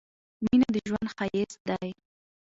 مينه د ژوند ښايست دي